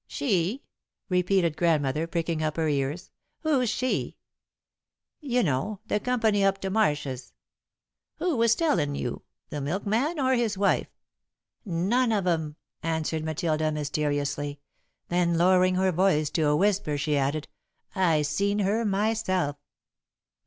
"She?" repeated Grandmother, pricking up her ears, "Who's she?" "You know the company up to Marshs'." "Who was tellin' you? The milkman, or his wife?" "None of 'em," answered Matilda, mysteriously. Then, lowering her voice to a whisper, she added: "I seen her myself!"